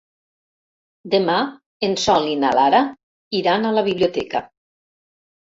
Demà en Sol i na Lara iran a la biblioteca.